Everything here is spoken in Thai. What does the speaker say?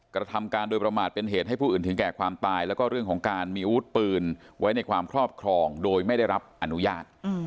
กระทำการโดยประมาทเป็นเหตุให้ผู้อื่นถึงแก่ความตายแล้วก็เรื่องของการมีอาวุธปืนไว้ในความครอบครองโดยไม่ได้รับอนุญาต